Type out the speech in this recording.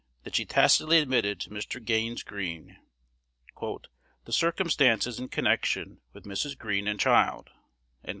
that she tacitly admitted to Mr. Gaines Greene "the circumstances in connection with Mrs. Greene and child."